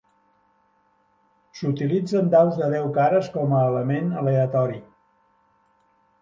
S'utilitzen daus de deu cares com a element aleatori.